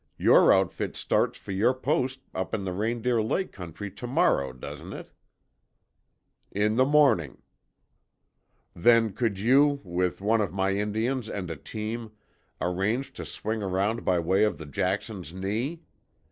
Your outfit starts for your post up in the Reindeer Lake county to morrow, doesn't it?" "In the morning." "Then could you, with one of my Indians and a team, arrange to swing around by way of the Jackson's Knee?